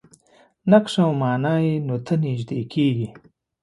نقش او معنا یې نو ته نژدې کېږي.